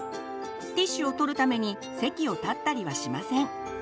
ティッシュを取るために席を立ったりはしません。